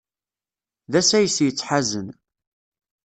D asayes yettḥazen.